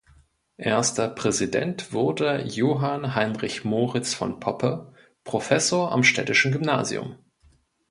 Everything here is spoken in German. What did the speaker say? Erster Präsident wurde Johann Heinrich Moritz von Poppe, Professor am Städtischen Gymnasium.